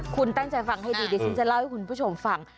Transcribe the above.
คุณตั้งใจฟังให้ดีเดี๋ยวฉันจะเล่าให้คุณผู้ชมฟัง